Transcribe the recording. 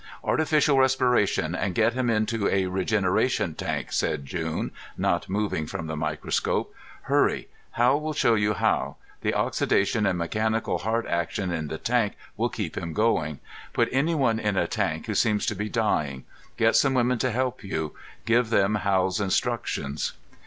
"Artificial respiration and get him into a regeneration tank," said June, not moving from the microscope. "Hurry! Hal will show you how. The oxidation and mechanical heart action in the tank will keep him going. Put anyone in a tank who seems to be dying. Get some women to help you. Give them Hal's instructions."